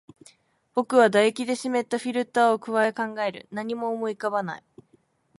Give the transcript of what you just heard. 僕は唾液で湿ったフィルターを咥え、考える。何も思い浮かばない。